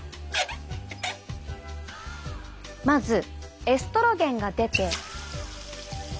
まずエストロゲンが出て。